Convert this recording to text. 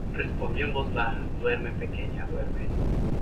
Respondió en voz baja: duerme pequeña, duerme